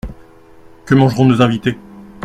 Que mangeront nos invités ?